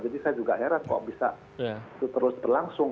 jadi saya juga heret kok bisa terus berlangsung